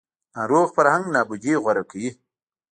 ناروغ فرهنګ نابودي غوره کوي